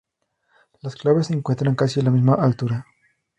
Las claves se encuentran casi a la misma altura.